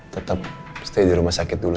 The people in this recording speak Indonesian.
tetap stay di rumah sakit dulu